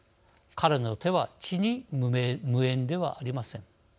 彼の手は血に無縁ではありません。